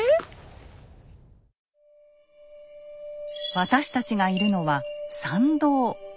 私たちがいるのは参道。